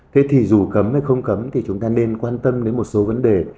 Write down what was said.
thế thì dù cấm hay không cấm thì chúng ta nên quan tâm đến một số vấn đề